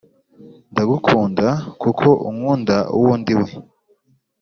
ndagukunda kuko unkunda uwo ndiwe.